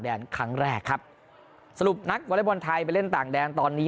ครั้งแรกครับสรุปนักวอเล็กบอลไทยไปเล่นต่างแดนตอนนี้